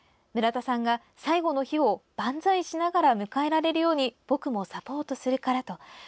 村田さんが最期の日を万歳しながら迎えられるように僕もサポートするからと。